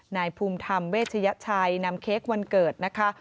นายภูมิธรรมเวชยชัยนำเค้กวันเกิดนะคะ